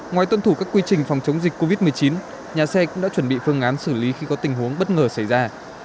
ngoài tuân thủ các quy trình phòng chống dịch covid một mươi chín nhà xe cũng đã chuẩn bị phương án xử lý khi có tình huống bất ngờ xảy ra